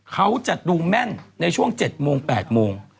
เขาจะดูแม่นในช่วง๗โมง๘โมง